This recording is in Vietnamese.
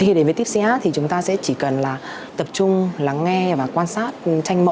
khi đến với tipsy art thì chúng ta sẽ chỉ cần là tập trung lắng nghe và quan sát tranh mẫu